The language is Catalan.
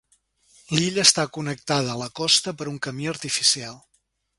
L'illa està connectada a la costa per un camí artificial.